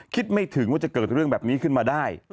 คิดไม่ถึงว่าจะเกิดเรื่องแบบนี้ขึ้นมาได้